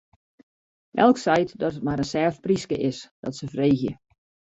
Elk seit dat it mar in sêft pryske is, dat se freegje.